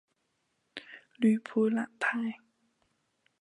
吕普朗泰。